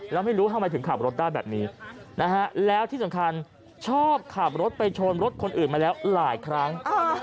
แล้วไม่รู้ทำไมถึงขับรถได้แบบนี้นะฮะแล้วที่สำคัญชอบขับรถไปชนรถคนอื่นมาแล้วหลายครั้ง